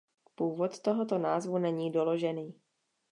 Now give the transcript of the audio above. Původ tohoto názvu není doložený.